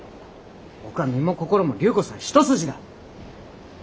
僕は身も心も隆子さん一筋だ！